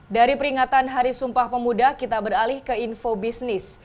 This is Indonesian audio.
dari peringatan hari sumpah pemuda kita beralih ke info bisnis